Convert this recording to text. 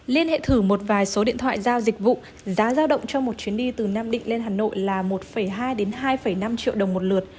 liên hệ thử một vài số điện thoại giao dịch vụ giá giao động trong một chuyến đi từ nam định lên hà nội là một hai hai năm triệu đồng một lượt